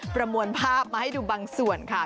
ประมวลภาพมาให้ดูบางส่วนค่ะ